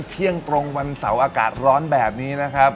เที่ยงตรงวันเสาร์อากาศร้อนแบบนี้นะครับ